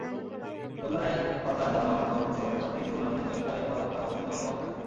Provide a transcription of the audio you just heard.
লোকজনের কথায় ধারণা হলো, রংপুর শহরের প্রাত্যহিক জনজীবনযাত্রায় এবার হরতাল-অবরোধের তেমন প্রভাব পড়েনি।